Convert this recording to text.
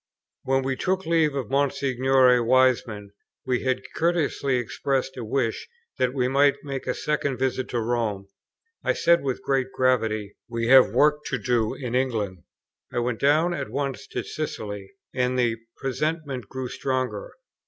When we took leave of Monsignore Wiseman, he had courteously expressed a wish that we might make a second visit to Rome; I said with great gravity, "We have a work to do in England." I went down at once to Sicily, and the presentiment grew stronger.